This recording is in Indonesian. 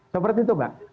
seperti itu mbak